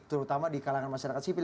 terutama di kalangan masyarakat sipil